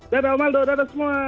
dadah om aldo dadah semua